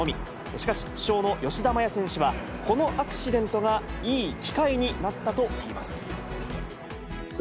しかし、主将の吉田麻也選手は、このアクシデントがいい機会になったといいます。